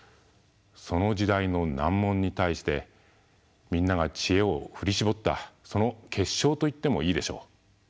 その時代の難問に対してみんなが知恵を振り絞ったその結晶といってもいいでしょう。